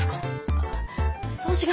あ掃除が。